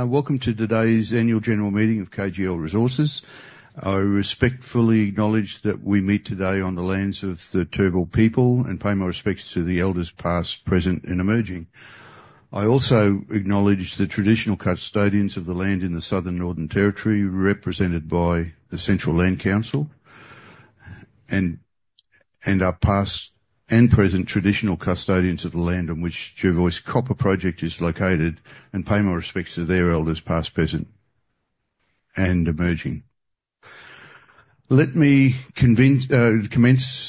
Welcome to today's annual general meeting of KGL Resources. I respectfully acknowledge that we meet today on the lands of the Turrbal people and pay my respects to the elders past, present, and emerging. I also acknowledge the traditional custodians of the land in the Southern Northern Territory, represented by the Central Land Council, and our past and present traditional custodians of the land on which Jervois Copper Project is located, and pay my respects to their elders past, present, and emerging. Let me commence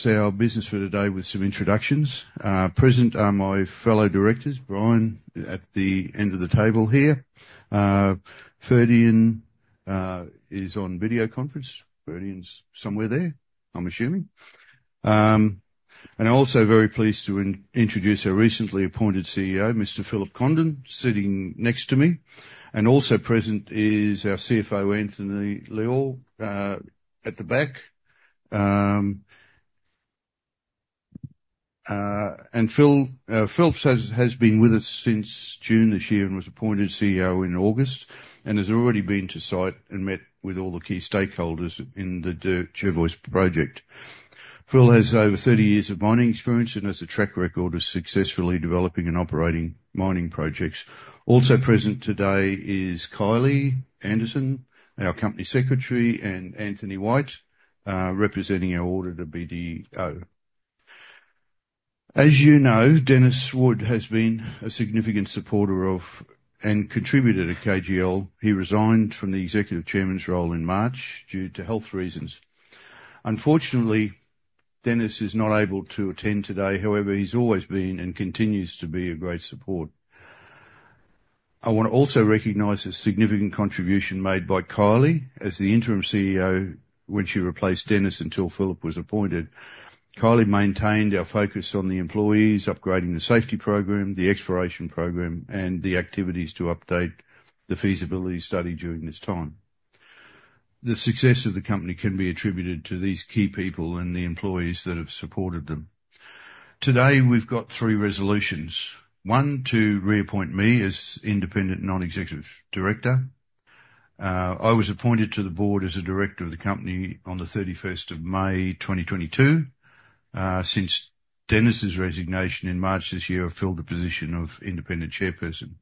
our business for today with some introductions. Present are my fellow directors, Brian at the end of the table here. Ferdian is on video conference. Ferdian's somewhere there, I'm assuming, and I'm also very pleased to introduce our recently appointed CEO, Mr. Philip Condon, sitting next to me, and also present is our CFO, Anthony Lyall, at the back. Phil has been with us since June this year and was appointed CEO in August, and has already been to site and met with all the key stakeholders in the Jervois Project. Phil has over 30 years of mining experience and has a track record of successfully developing and operating mining projects. Also present today is Kylie Anderson, our Company Secretary, and Anthony White, representing our auditor, BDO. As you know, Denis Wood has been a significant supporter of and contributor to KGL. He resigned from the Executive Chairman's role in March due to health reasons. Unfortunately, Denis is not able to attend today. However, he's always been and continues to be a great support. I want to also recognize a significant contribution made by Kylie as the interim CEO when she replaced Denis until Philip was appointed. Kylie maintained our focus on the employees, upgrading the safety program, the exploration program, and the activities to update the feasibility study during this time. The success of the company can be attributed to these key people and the employees that have supported them. Today, we've got three resolutions. One, to reappoint me as independent non-executive director. I was appointed to the board as a director of the company on the 31st of May, 2022. Since Denis's resignation in March this year, I filled the position of independent chairperson.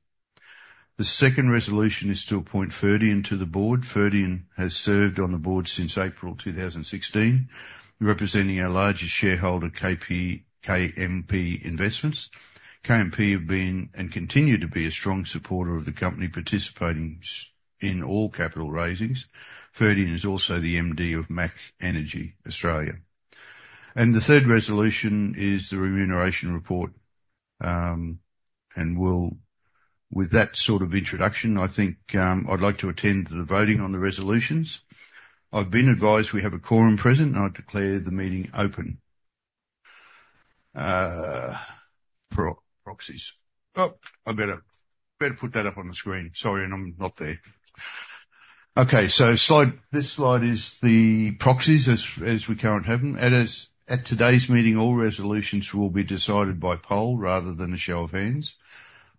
The second resolution is to appoint Ferdian to the board. Ferdian has served on the board since April 2016, representing our largest shareholder, KMP Investments. KMP have been and continue to be a strong supporter of the company, participating in all capital raisings. Ferdian is also the MD of MACH Energy Australia, and the third resolution is the remuneration report. And with that sort of introduction, I think I'd like to attend the voting on the resolutions. I've been advised we have a quorum present, and I declare the meeting open. Proxies. Oh, I better put that up on the screen. Sorry, and I'm not there. Okay, so this slide is the proxies as we currently have them. At today's meeting, all resolutions will be decided by poll rather than a show of hands.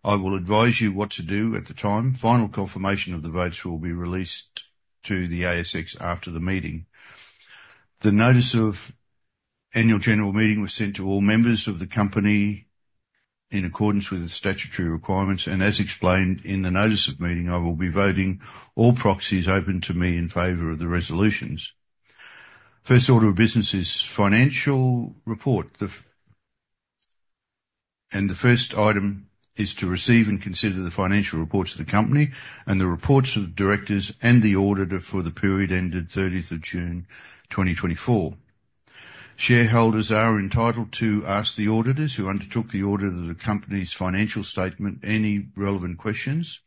I will advise you what to do at the time. Final confirmation of the votes will be released to the ASX after the meeting. The notice of annual general meeting was sent to all members of the company in accordance with the statutory requirements. And as explained in the notice of meeting, I will be voting all proxies open to me in favor of the resolutions. First order of business is financial report. The first item is to receive and consider the financial reports of the company and the reports of the directors and the auditor for the period ended 30th of June, 2024. Shareholders are entitled to ask the auditors who undertook the audit of the company's financial statements any relevant questions.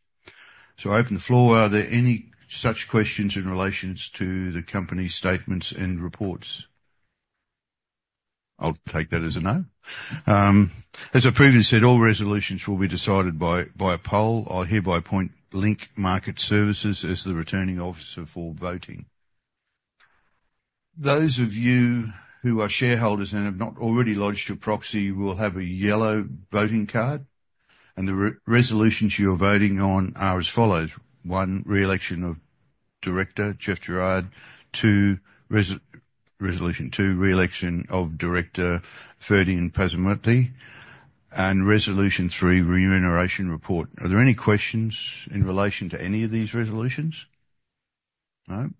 I open the floor. Are there any such questions in relation to the company's statements and reports? I'll take that as a no. As I previously said, all resolutions will be decided by a poll. I hereby appoint Link Market Services as the returning officer for voting. Those of you who are shareholders and have not already lodged your proxy will have a yellow voting card. The resolutions you are voting on are as follows. One, reelection of director Jeff Gerard. Two, resolution two, reelection of director Ferdian Purnamasidi. Resolution three, remuneration report. Are there any questions in relation to any of these resolutions? No?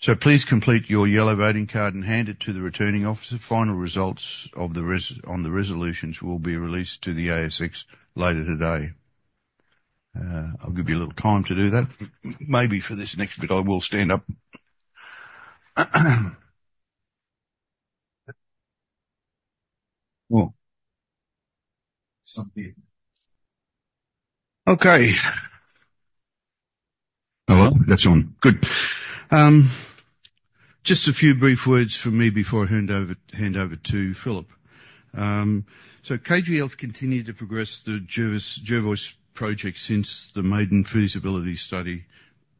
So please complete your yellow voting card and hand it to the returning officer. Final results on the resolutions will be released to the ASX later today. I'll give you a little time to do that. Maybe for this next bit, I will stand up. Okay. Hello. That's on. Good. Just a few brief words from me before I hand over to Philip. So KGL has continued to progress the Jervois Project since the maiden feasibility study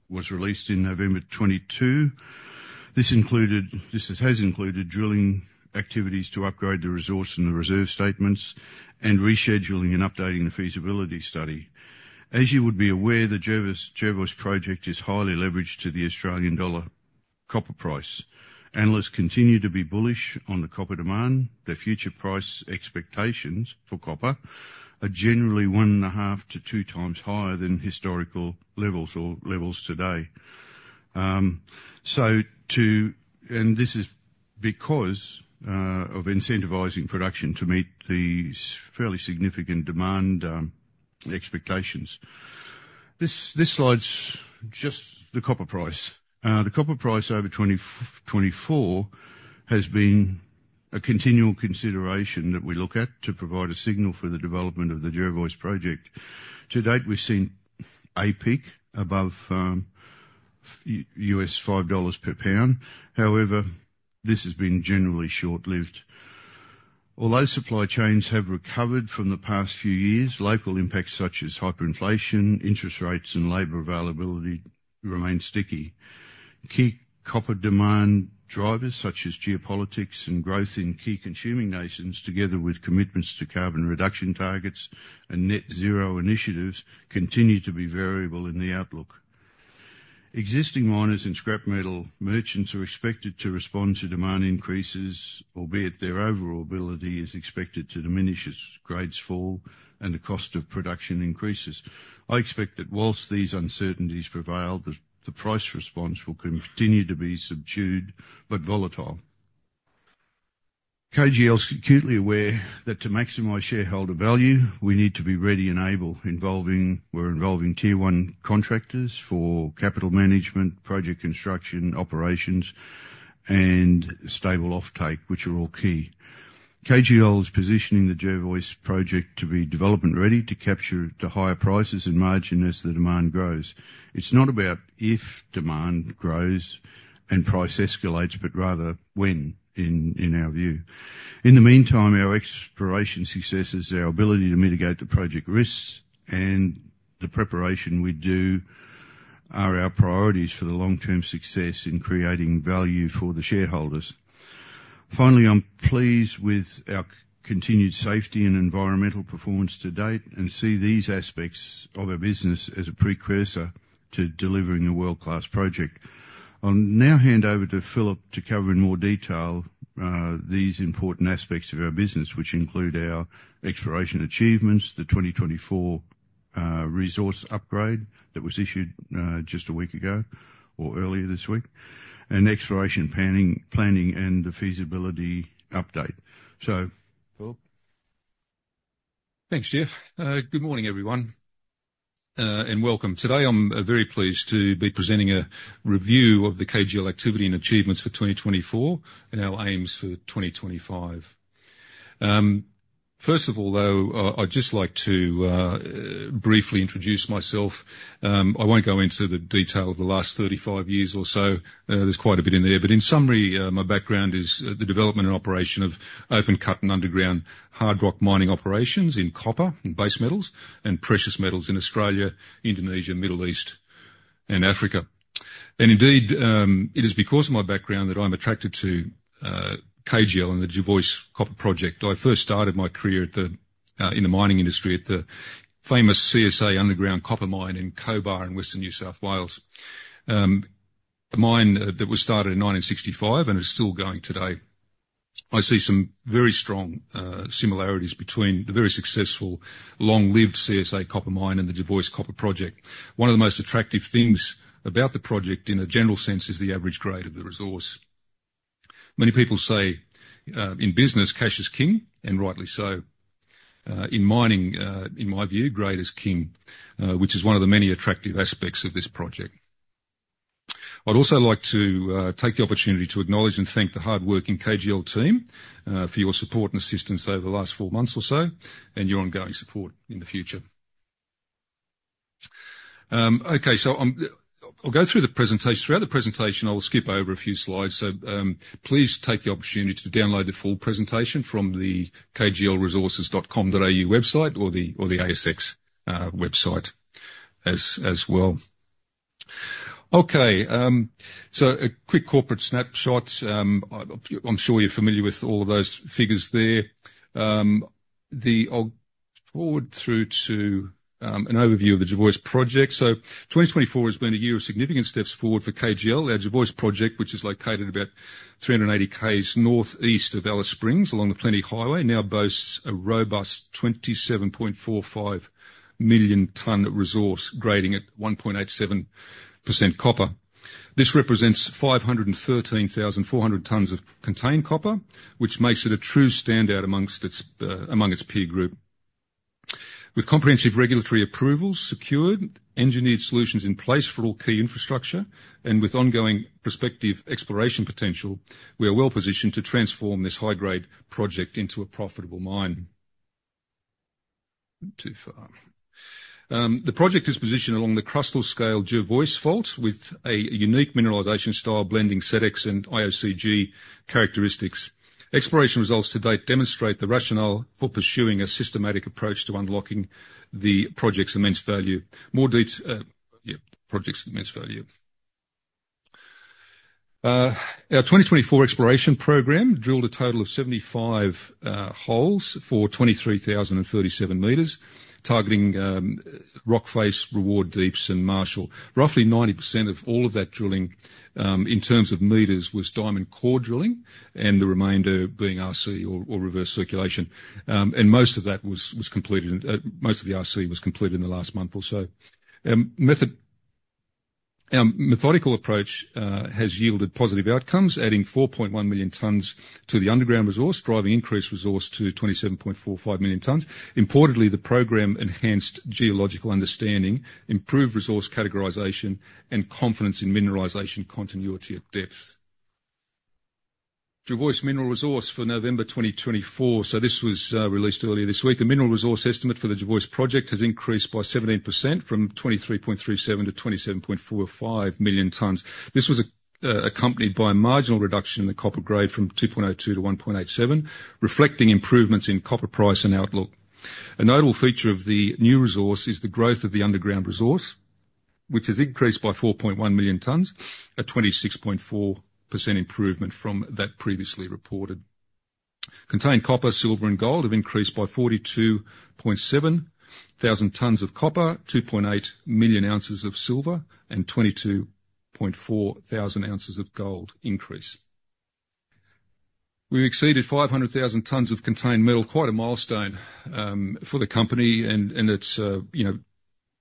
was released in November 2022. This has included drilling activities to upgrade the resource and the reserve statements and rescheduling and updating the feasibility study. As you would be aware, the Jervois Project is highly leveraged to the Australian dollar copper price. Analysts continue to be bullish on the copper demand. The future price expectations for copper are generally one and a half to two times higher than historical levels or levels today. This is because of incentivizing production to meet these fairly significant demand expectations. This slide's just the copper price. The copper price over 2024 has been a continual consideration that we look at to provide a signal for the development of the Jervois Project. To date, we've seen a peak above $5 per pound. However, this has been generally short-lived. Although supply chains have recovered from the past few years, local impacts such as hyperinflation, interest rates, and labor availability remain sticky. Key copper demand drivers, such as geopolitics and growth in key consuming nations, together with commitments to carbon reduction targets and net zero initiatives, continue to be variable in the outlook. Existing miners and scrap metal merchants are expected to respond to demand increases, albeit their overall ability is expected to diminish as grades fall and the cost of production increases. I expect that while these uncertainties prevail, the price response will continue to be subdued but volatile. KGL is acutely aware that to maximize shareholder value, we need to be ready and able. We're involving tier one contractors for capital management, project construction, operations, and stable offtake, which are all key. KGL is positioning the Jervois Project to be development-ready to capture the higher prices and margin as the demand grows. It's not about if demand grows and price escalates, but rather when, in our view. In the meantime, our exploration successes, our ability to mitigate the project risks, and the preparation we do are our priorities for the long-term success in creating value for the shareholders. Finally, I'm pleased with our continued safety and environmental performance to date and see these aspects of our business as a precursor to delivering a world-class project. I'll now hand over to Philip to cover in more detail these important aspects of our business, which include our exploration achievements, the 2024 resource upgrade that was issued just a week ago or earlier this week, and exploration planning and the feasibility update. So, Philip. Thanks, Jeff. Good morning, everyone, and welcome. Today, I'm very pleased to be presenting a review of the KGL activity and achievements for 2024 and our aims for 2025. First of all, though, I'd just like to briefly introduce myself. I won't go into the detail of the last 35 years or so. There's quite a bit in there. But in summary, my background is the development and operation of open-cut and underground hard rock mining operations in copper and base metals and precious metals in Australia, Indonesia, Middle East, and Africa. And indeed, it is because of my background that I'm attracted to KGL and the Jervois Copper Project. I first started my career in the mining industry at the famous CSA underground copper mine in Cobar in Western New South Wales, a mine that was started in 1965 and is still going today. I see some very strong similarities between the very successful, long-lived CSA Mine and the Jervois Copper Project. One of the most attractive things about the project in a general sense is the average grade of the resource. Many people say in business, cash is king, and rightly so. In mining, in my view, grade is king, which is one of the many attractive aspects of this project. I'd also like to take the opportunity to acknowledge and thank the hardworking KGL team for your support and assistance over the last four months or so and your ongoing support in the future. Okay, so I'll go through the presentation. Throughout the presentation, I will skip over a few slides. So please take the opportunity to download the full presentation from the kglresources.com.au website or the ASX website as well. Okay, so a quick corporate snapshot. I'm sure you're familiar with all of those figures there. I'll forward through to an overview of the Jervois Project. So 2024 has been a year of significant steps forward for KGL. Our Jervois Project, which is located about 380 km northeast of Alice Springs along the Plenty Highway, now boasts a robust 27.45 million ton resource grading at 1.87% copper. This represents 513,400 tons of contained copper, which makes it a true standout amongst its peer group. With comprehensive regulatory approvals secured, engineered solutions in place for all key infrastructure, and with ongoing prospective exploration potential, we are well positioned to transform this high-grade project into a profitable mine. To date. The project is positioned along the crustal scale Jervois fault with a unique mineralization style, blending SEDEX and IOCG characteristics. Exploration results to date demonstrate the rationale for pursuing a systematic approach to unlocking the project's immense value. More detail. Yeah, Project's immense value. Our 2024 exploration program drilled a total of 75 holes for 23,037 meters, targeting Rockface, Reward Deeps, and Marshall. Roughly 90% of all of that drilling in terms of meters was diamond core drilling and the remainder being RC or reverse circulation. Most of that was completed. Most of the RC was completed in the last month or so. Our methodical approach has yielded positive outcomes, adding 4.1 million tons to the underground resource, driving increased resource to 27.45 million tons. Importantly, the program enhanced geological understanding, improved resource categorization, and confidence in mineralization continuity at depth. Jervois mineral resource for November 2024. This was released earlier this week. The mineral resource estimate for the Jervois Project has increased by 17% from 23.37 million tons to 27.45 million tons. This was accompanied by a marginal reduction in the copper grade from 2.02 to 1.87, reflecting improvements in copper price and outlook. A notable feature of the new resource is the growth of the underground resource, which has increased by 4.1 million tons, a 26.4% improvement from that previously reported. Contained copper, silver, and gold have increased by 42.7 thousand tons of copper, 2.8 million ounces of silver, and 22.4 thousand ounces of gold. We exceeded 500,000 tons of contained metal. Quite a milestone for the company and it's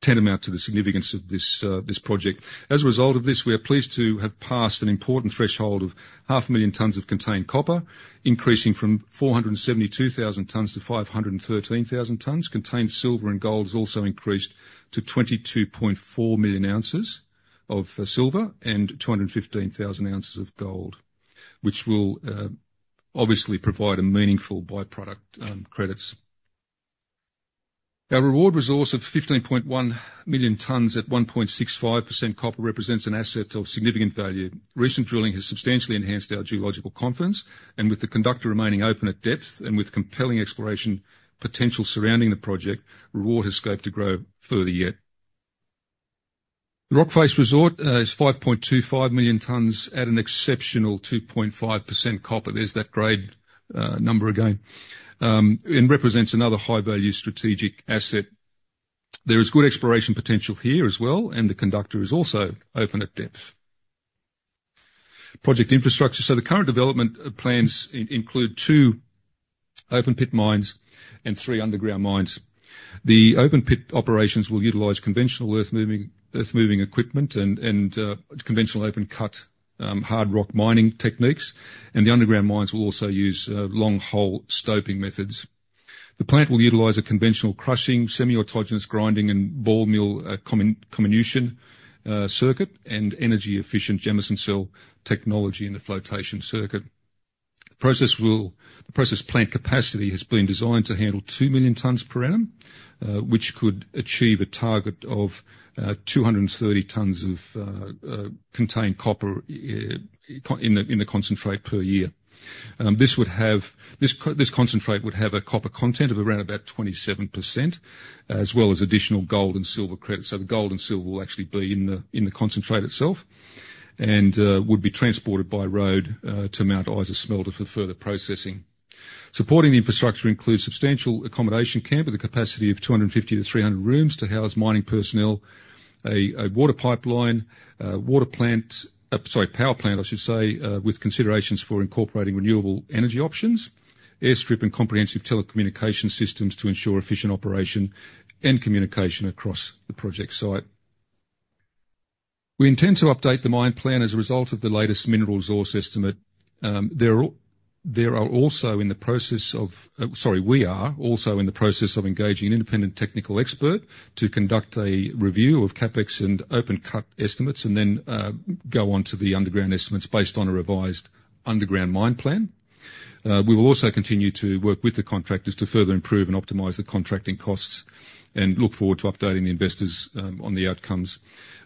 tantamount to the significance of this project. As a result of this, we are pleased to have passed an important threshold of 500,000 tons of contained copper, increasing from 472,000 tons to 513,000 tons. Contained silver and gold have also increased to 22.4 million ounces of silver and 215,000 ounces of gold, which will obviously provide meaningful by-product credits. Our Reward resource of 15.1 million tons at 1.65% copper represents an asset of significant value. Recent drilling has substantially enhanced our geological confidence, and with the conductor remaining open at depth and with compelling exploration potential surrounding the project, Reward has scope to grow further yet. The Rockface resource is 5.25 million tons at an exceptional 2.5% copper. There's that grade number again and represents another high-value strategic asset. There is good exploration potential here as well, and the conductor is also open at depth. Project infrastructure. The current development plans include two open-pit mines and three underground mines. The open-pit operations will utilize conventional earth-moving equipment and conventional open-cut hard rock mining techniques. And the underground mines will also use long-hole stoping methods. The plant will utilize a conventional crushing, semi-autogenous grinding, and ball mill comminution circuit and energy-efficient Jameson Cell technology in the flotation circuit. The process plant capacity has been designed to handle 2 million tons per annum, which could achieve a target of 230 tons of contained copper in the concentrate per year. This concentrate would have a copper content of around about 27%, as well as additional gold and silver credits. So the gold and silver will actually be in the concentrate itself and would be transported by road to Mount Isa Smelter for further processing. Supporting the infrastructure includes substantial accommodation camp with a capacity of 250 to 300 rooms to house mining personnel, a water pipeline, water plant - sorry, power plant, I should say - with considerations for incorporating renewable energy options, airstrip, and comprehensive telecommunication systems to ensure efficient operation and communication across the project site. We intend to update the mine plan as a result of the latest mineral resource estimate. There are also in the process of - sorry, we are also in the process of engaging an independent technical expert to conduct a review of CapEx and open-cut estimates and then go on to the underground estimates based on a revised underground mine plan. We will also continue to work with the contractors to further improve and optimize the contracting costs and look forward to updating the investors on the outcomes.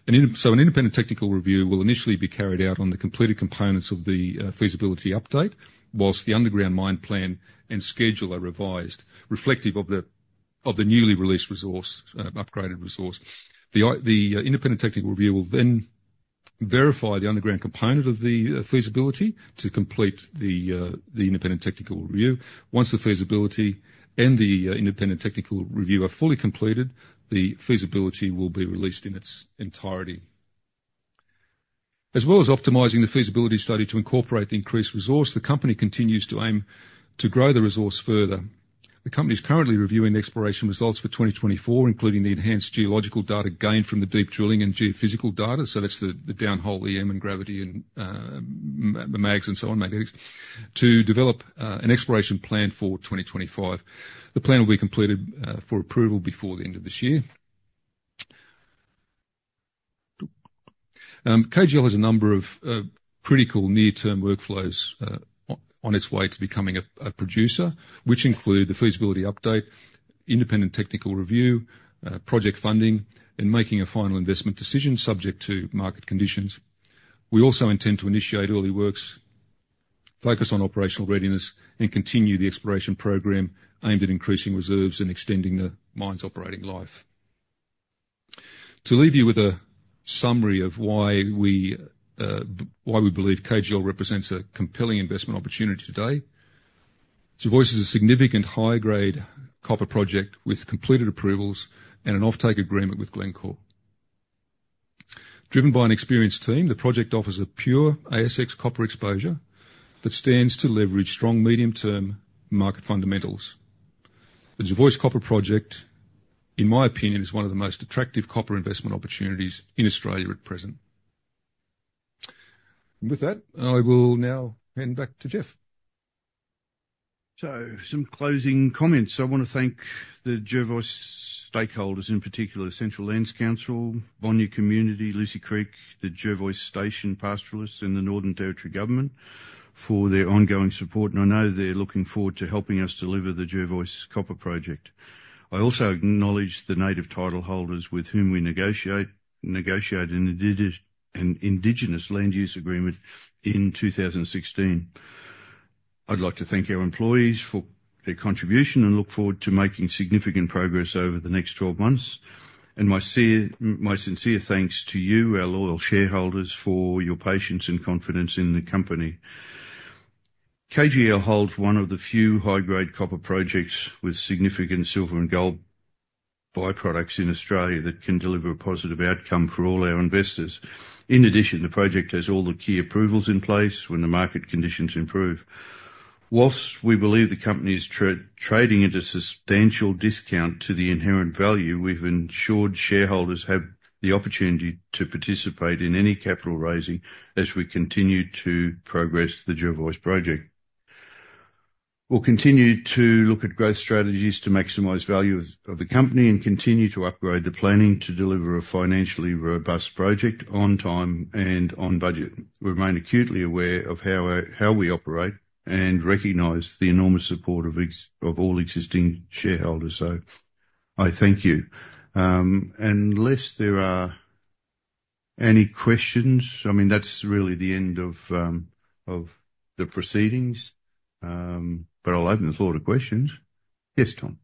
An independent technical review will initially be carried out on the completed components of the feasibility update while the underground mine plan and schedule are revised, reflective of the newly released resource, upgraded resource. The independent technical review will then verify the underground component of the feasibility to complete the independent technical review. Once the feasibility and the independent technical review are fully completed, the feasibility will be released in its entirety. As well as optimizing the feasibility study to incorporate the increased resource, the company continues to aim to grow the resource further. The company is currently reviewing the exploration results for 2024, including the enhanced geological data gained from the deep drilling and geophysical data. That's the downhole EM and gravity and mags and so on, magnetics, to develop an exploration plan for 2025. The plan will be completed for approval before the end of this year. KGL has a number of critical near-term workflows on its way to becoming a producer, which include the feasibility update, independent technical review, project funding, and making a final investment decision subject to market conditions. We also intend to initiate early works, focus on operational readiness, and continue the exploration program aimed at increasing reserves and extending the mine's operating life. To leave you with a summary of why we believe KGL represents a compelling investment opportunity today, Jervois is a significant high-grade copper project with completed approvals and an offtake agreement with Glencore. Driven by an experienced team, the project offers a pure ASX copper exposure that stands to leverage strong medium-term market fundamentals. The Jervois Copper Project, in my opinion, is one of the most attractive copper investment opportunities in Australia at present. With that, I will now hand back to Jeff. So some closing comments. I want to thank the Jervois stakeholders, in particular, Central Land Council, Bonya Community, Lucy Creek, the Jervois Station Pastoralists, and the Northern Territory Government for their ongoing support, and I know they're looking forward to helping us deliver the Jervois Copper Project. I also acknowledge the native title holders with whom we negotiated an Indigenous land use agreement in 2016. I'd like to thank our employees for their contribution and look forward to making significant progress over the next 12 months, and my sincere thanks to you, our loyal shareholders, for your patience and confidence in the company. KGL holds one of the few high-grade copper projects with significant silver and gold byproducts in Australia that can deliver a positive outcome for all our investors. In addition, the project has all the key approvals in place when the market conditions improve. While we believe the company is trading at a substantial discount to the inherent value, we've ensured shareholders have the opportunity to participate in any capital raising as we continue to progress the Jervois Project. We'll continue to look at growth strategies to maximize value of the company and continue to upgrade the planning to deliver a financially robust project on time and on budget. We remain acutely aware of how we operate and recognize the enormous support of all existing shareholders. So I thank you. Unless there are any questions, I mean, that's really the end of the proceedings, but I'll open the floor to questions. Yes, Tom.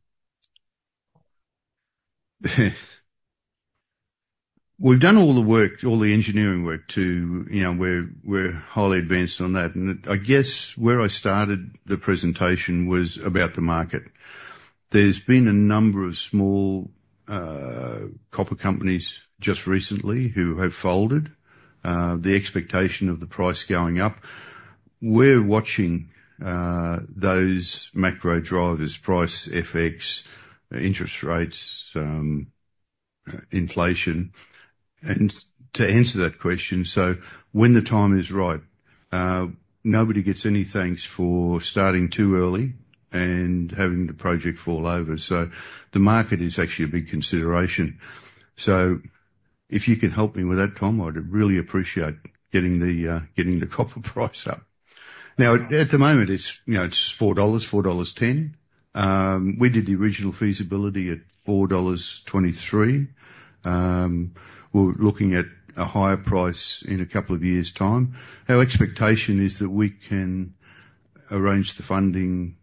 We've done all the work, all the engineering work to where we're highly advanced on that. I guess where I started the presentation was about the market. There's been a number of small copper companies just recently who have folded the expectation of the price going up. We're watching those macro drivers: price, FX, interest rates, inflation. To answer that question, so when the time is right, nobody gets any thanks for starting too early and having the project fall over. The market is actually a big consideration. If you can help me with that, Tom, I'd really appreciate getting the copper price up. Now, at the moment, it's $4, $4.10. We did the original feasibility at $4.23. We're looking at a higher price in a couple of years' time. Our expectation is that we can arrange the funding,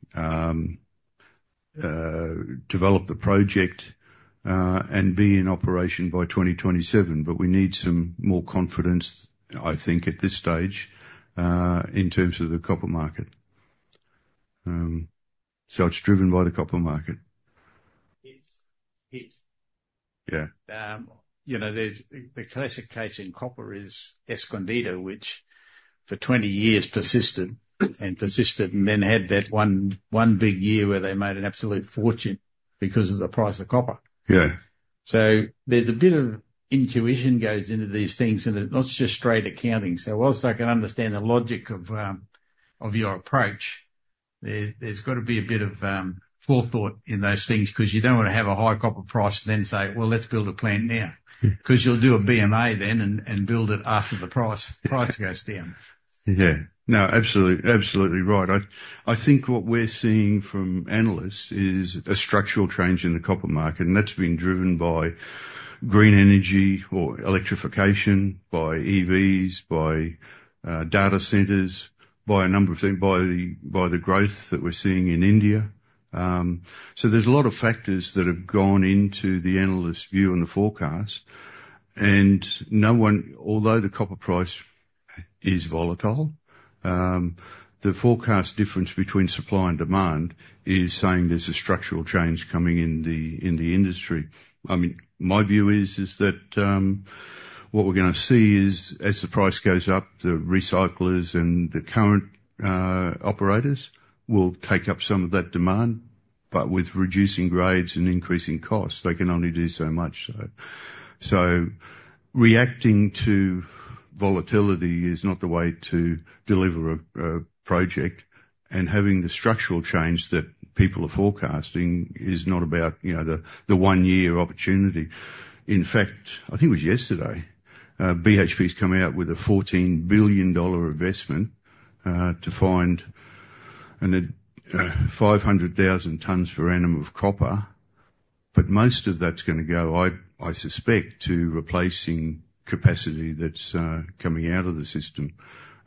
develop the project, and be in operation by 2027. But we need some more confidence, I think, at this stage in terms of the copper market. So it's driven by the copper market. The classic case in copper is Escondida, which for 20 years persisted and persisted and then had that one big year where they made an absolute fortune because of the price of copper. So there's a bit of intuition that goes into these things, and it's not just straight accounting. So while I can understand the logic of your approach, there's got to be a bit of forethought in those things because you don't want to have a high copper price and then say, "Well, let's build a plant now," because you'll do a BMA then and build it after the price goes down. Yeah. No, absolutely. Absolutely right. I think what we're seeing from analysts is a structural change in the copper market, and that's been driven by green energy or electrification, by EVs, by data centers, by a number of things, by the growth that we're seeing in India. So there's a lot of factors that have gone into the analyst's view and the forecast. And although the copper price is volatile, the forecast difference between supply and demand is saying there's a structural change coming in the industry. I mean, my view is that what we're going to see is, as the price goes up, the recyclers and the current operators will take up some of that demand. But with reducing grades and increasing costs, they can only do so much. So reacting to volatility is not the way to deliver a project. Having the structural change that people are forecasting is not about the one-year opportunity. In fact, I think it was yesterday, BHP's come out with a $14 billion investment to find 500,000 tons per annum of copper. But most of that's going to go, I suspect, to replacing capacity that's coming out of the system.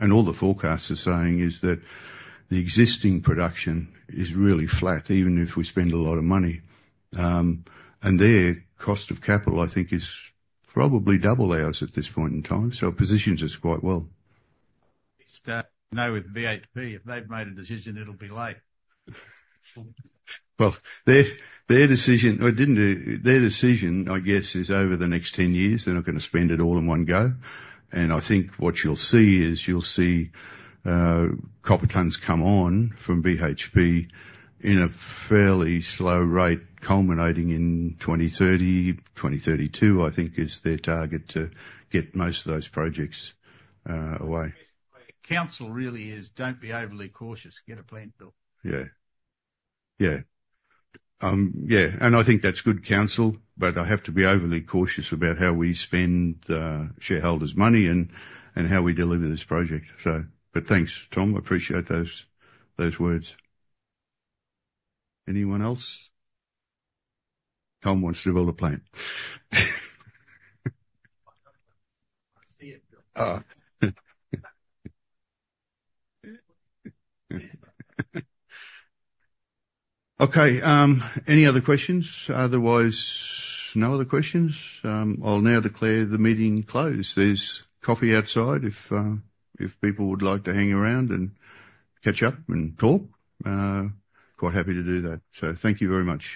And all the forecasts are saying is that the existing production is really flat, even if we spend a lot of money. And their cost of capital, I think, is probably double ours at this point in time. So it positions us quite well. Just know with BHP, if they've made a decision, it'll be late. Their decision, I guess, is over the next 10 years. They're not going to spend it all in one go. I think what you'll see is you'll see copper tons come on from BHP in a fairly slow rate, culminating in 2030, 2032, I think, is their target to get most of those projects away. Council really is, "Don't be overly cautious. Get a plant built. And I think that's good counsel, but I have to be overly cautious about how we spend shareholders' money and how we deliver this project. But thanks, Tom. I appreciate those words. Anyone else? Tom wants to build a plant. I see it. Okay. Any other questions? Otherwise, no other questions. I'll now declare the meeting closed. There's coffee outside if people would like to hang around and catch up and talk. Quite happy to do that. So thank you very much.